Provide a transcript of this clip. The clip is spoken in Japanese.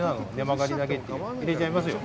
入れちゃいますよ。